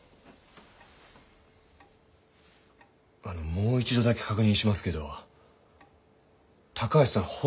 あのもう一度だけ確認しますけど高橋さん